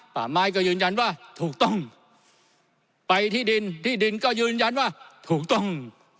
ป่าไม้ก็ยืนยันว่าถูกต้องไปที่ดินที่ดินก็ยืนยันว่าถูกต้อง